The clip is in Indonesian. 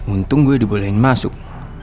untung gue dibolehin masuk